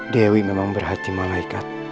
dewi memang berhati malaikat